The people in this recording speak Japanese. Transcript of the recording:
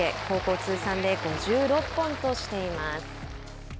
高校通算で５６本としています。